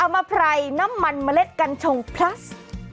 มะไพรน้ำมันเมล็ดกัญชงพลัส